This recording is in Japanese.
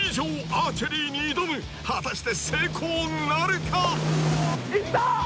アーチェリーに挑む果たして成功なるかいった